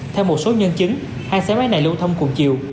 theo một số nhân chứng hai xe máy này lưu thông cùng chiều